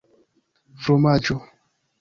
fromaĵo